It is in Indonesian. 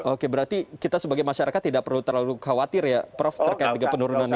oke berarti kita sebagai masyarakat tidak perlu terlalu khawatir ya prof terkait dengan penurunan ini